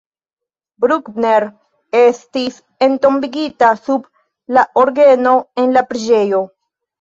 Bruckner estis entombigita sub la orgeno en la preĝejo.